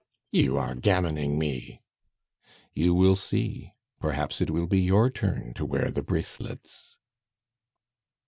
"You are gammoning me?" "You will see. Perhaps it will be your turn to wear the bracelets."